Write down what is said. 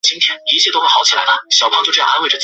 战争过程主要是同盟国和协约国之间的战斗。